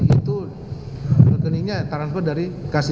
itu rekeningnya transfer dari kasi